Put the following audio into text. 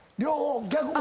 逆も。